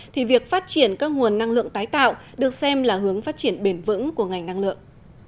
thì việc phát triển các nguồn năng lượng tái tạo được xem là hướng phát triển bền vững của ngành năng lượng